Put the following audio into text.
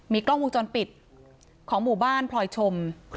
กล้องวงจรปิดของหมู่บ้านพลอยชม